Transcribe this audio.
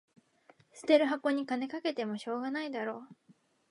捨てる箱に金かけてもしょうがないだろ